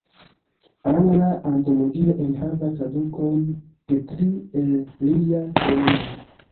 Angla Antologio enhavas tradukojn de tri el liaj poemoj.